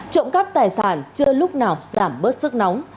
trộm cắp tài sản chưa lúc nào giảm bớt sức nóng